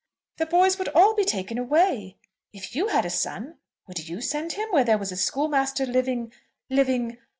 "The boys would all be taken away. If you had a son, would you send him where there was a schoolmaster living, living